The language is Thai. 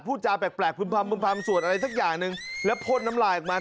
พูดจาแปลกพุมภัมธ์ส่วนอะไรสักอย่างหนึ่งแล้วโพรตน้ำหล่าออกมา